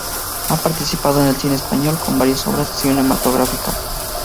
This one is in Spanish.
Ha participado en el cine español, con variadas obras cinematográficas.